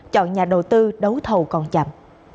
chọn nhà đầu tư đấu thầu còn chậm